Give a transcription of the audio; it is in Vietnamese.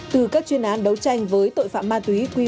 từ các chuyên án đấu tranh với tội phạm ma túy